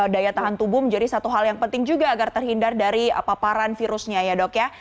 daya tahan tubuh menjadi satu hal yang penting juga agar terhindar dari paparan virusnya ya dok ya